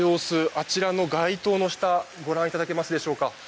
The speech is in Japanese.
あちらの街頭の下をご覧いただけますでしょうか。